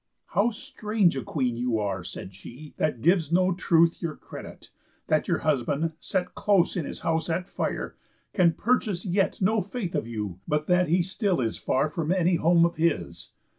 "How strange a Queen are you," said she, "that gives No truth your credit, that your husband, set Close in his house at fire, can purchase yet No faith of you, but that he still is far From any home of his!